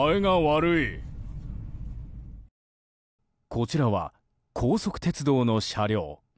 こちらは高速鉄道の車両。